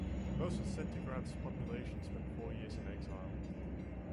Most of Cetingrad's population spent four years in exile.